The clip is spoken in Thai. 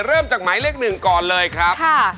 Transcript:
เริ่มจากหมายเลขหนึ่งก่อนเลยครับ